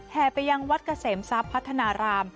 ไปยังวัดเกษมทรัพย์พัฒนาราม